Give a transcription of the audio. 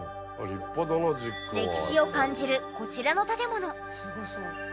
歴史を感じるこちらの建物。